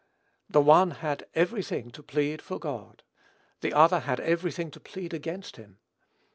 The one had every thing to plead for God: the other had every thing to plead against him.